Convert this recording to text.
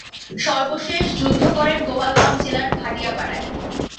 সর্বশেষ যুদ্ধ করেন গোপালগঞ্জ জেলার ভাটিয়াপাড়ায়।